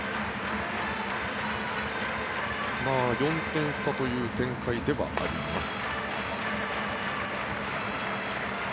４点差という展開ではあります。